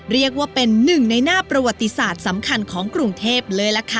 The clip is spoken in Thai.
เรียกว่าเป็นหนึ่งในหน้าประวัติศาสตร์สำคัญของกรุงเทพเลยล่ะค่ะ